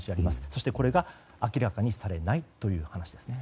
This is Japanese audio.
そして、これが明らかにされないという話ですね。